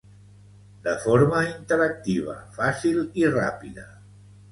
De forma interactiva, fàcil i ràpida.